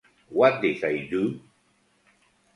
What Did I Do?